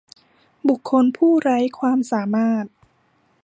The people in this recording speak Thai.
บุคคลผู้ไร้ความสามารถ